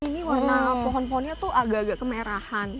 ini warna pohon pohonnya tuh agak agak kemerahan